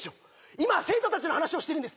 今は生徒たちの話をしてるんです